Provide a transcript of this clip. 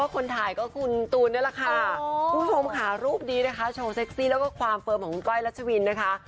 ว่าคนถ่ายว่าคุณพูดไปนะคะคือภาษารูปดีนะคะโชว์เซ็กซี่แล้วก็ความฟิล์มของก้อยรัชวีนนะคะ